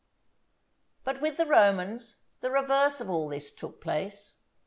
But with the Romans the reverse of all this took place.